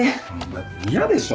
だって嫌でしょ？